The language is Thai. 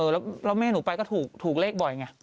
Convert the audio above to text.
แล้วแม่หนูไปก็ถูกเลขบ่อยไง